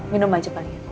minum aja palingan